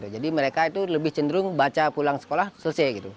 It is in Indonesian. jadi mereka itu lebih cenderung baca pulang sekolah selesai